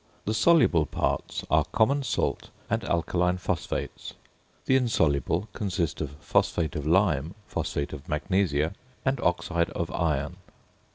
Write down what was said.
The soluble parts are, common salt and alkaline phosphates; the insoluble consist of phosphate of lime, phosphate of magnesia, and oxide of iron.